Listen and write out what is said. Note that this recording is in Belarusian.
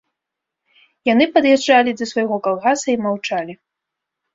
Яны пад'язджалі да свайго калгаса і маўчалі.